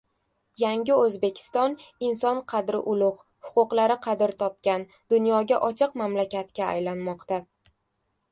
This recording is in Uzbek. Yangi O‘zbekiston inson qadri ulug‘, huquqlari qadr topgan, dunyoga ochiq mamlakatga aylanmoqda